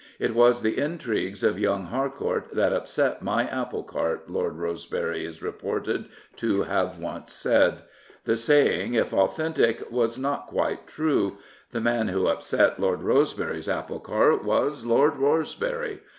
" It was the intrigues of young Harcourt that upset my apple cart," Lord Rosebery is reported to have once sai^^TTfie saying, if authentic, Prophets, Priests, and Kings was not quite true. The man who upset Lord Rose bery's apple cart was — Lord Rosebery.